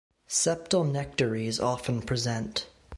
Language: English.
Septal nectaries often present.